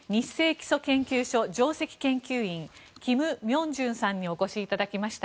基礎研究所上席研究員キム・ミョンジュンさんにお越しいただきました。